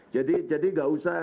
jadi tidak usah